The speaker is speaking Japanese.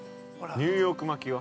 ◆ニューヨーク巻きは？